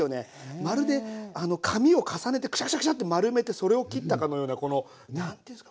まるで紙を重ねてクシャクシャクシャって丸めてそれを切ったかのようなこの何て言うんですか。